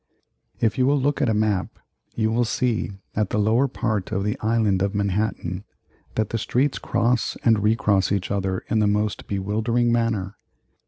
If you will look at a map, you will see at the lower part of the Island of Manhattan that the streets cross and recross each other in the most bewildering manner.